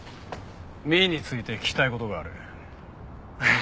美依について聞きたい事がある。